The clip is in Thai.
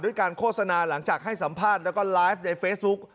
การโฆษณาหลังจากให้สัมภาษณ์แล้วก็ไลฟ์ในเฟซบุ๊ก